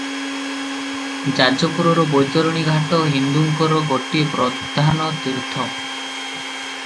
ଯାଜପୁରର ବୈତରଣୀ ଘାଟ ହିନ୍ଦୁଙ୍କର ଗୋଟିଏ ପ୍ରଧାନ ତୀର୍ଥ ।